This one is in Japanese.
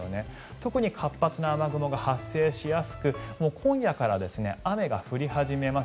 特に活発な雨雲が発生しやすく今夜から雨が降り始めます。